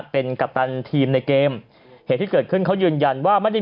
เป็นกัปตันทีมในเกมเหตุที่เกิดขึ้นเขายืนยันว่าไม่ได้